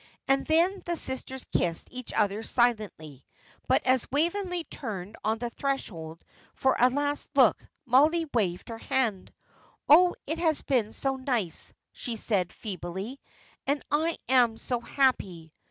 And then the sisters kissed each other silently. But as Waveney turned on the threshold for a last look, Mollie waved her hand. "Oh, it has been so nice," she said, feebly, "and I am so happy."